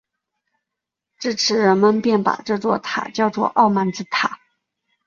自此人们便把这座塔叫作傲慢之塔。